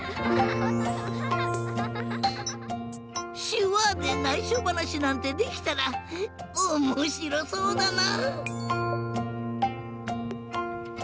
しゅわでないしょばなしなんてできたらおもしろそうだな！